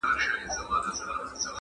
شاهدان مي سره ګلاب او پسرلي دي,